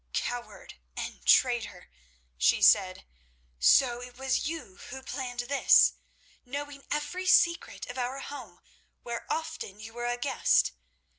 "Coward and traitor!" she said. "So it was you who planned this, knowing every secret of our home, where often you were a guest!